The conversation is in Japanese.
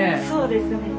そうですね。